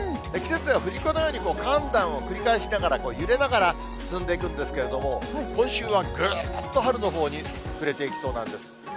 季節は振り子のように、寒暖を繰り返しながら、揺れながら進んでいくんですけれども、今週はぐんと春のほうに振れていきそうなんです。